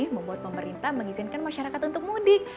membuat pemerintah mengizinkan masyarakat untuk mudik